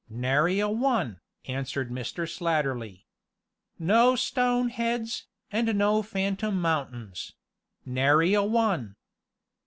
"Nary a one," answered Mr. Slatterly. "No stone heads, and no Phantom Mountains nary a one.